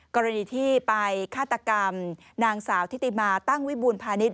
กรณีที่ไปฆาตกรรมนางสาวทิติมาตั้งวิบูรพาณิชย